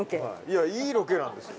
いやいいロケなんですよ。